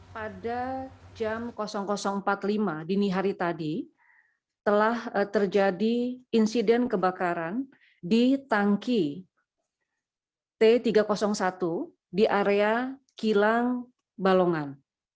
pada jam empat puluh lima dini hari tadi telah terjadi insiden kebakaran di tangki t tiga ratus satu di area kilang balongan